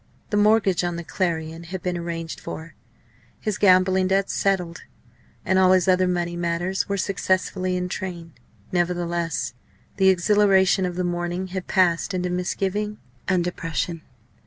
The mortgage on the Clarion had been arranged for, his gambling debts settled, and all his other money matters were successfully in train. Nevertheless, the exhilaration of the morning had passed into misgiving and depression.